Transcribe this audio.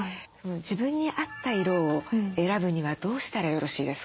自分に合った色を選ぶにはどうしたらよろしいですか？